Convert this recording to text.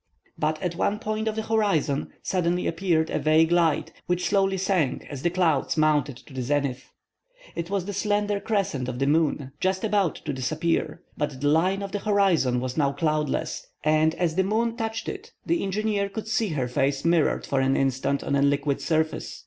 But at one point of the horizon suddenly appeared a vague light, which slowly sank as the clouds mounted to the zenith. It was the slender crescent of the moon, just about to disappear. But the line of the horizon was now cloudless, and as the moon touched it, the engineer could see her face mirrored for an instant on a liquid surface.